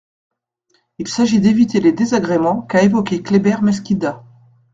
Il s’agit d’éviter les désagréments qu’a évoqués Kléber Mesquida.